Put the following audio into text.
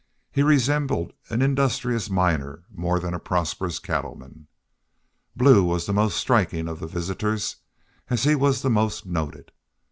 He resembled an industrious miner more than a prosperous cattleman. Blue was the most striking of the visitors, as he was the most noted.